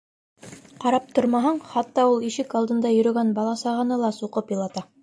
Ҡарап тормаһаң, хатта ул ишек алдында йөрөгән бала-сағаны ла суҡып илата.